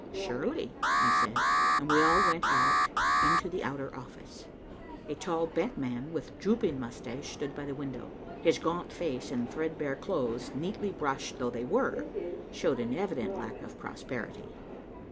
"Surely," I said, and we all went out into the outer office. A tall, bent man with drooping mustache stood by the window. His gaunt face and threadbare clothes, neatly brushed though they were, showed an evident lack of prosperity.